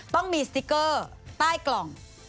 ต้องมีสติ๊กเกอร์ใต้กล่อง